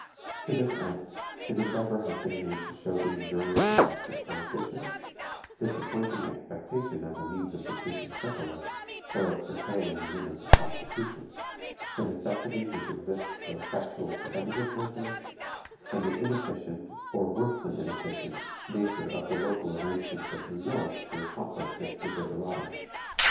To this end an endeavor has been made to show the injurious effects of prohibition, disappointing expectation as a means of decreasing syphilis, or of curtailing the limits of prostitution; the necessity which exists for effectual preventive measures; and the inefficient, or worse than inefficient, nature of the local arrangements of New York to accomplish this desideratum.